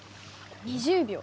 ２０秒。